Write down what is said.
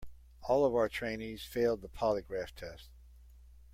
All of our trainees failed the polygraph test.